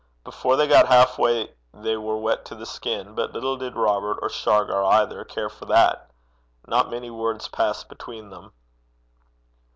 Before they got half way they were wet to the skin; but little did Robert, or Shargar either, care for that. Not many words passed between them.